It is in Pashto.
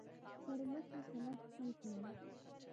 پر مخ یې کلک ښکل کړم .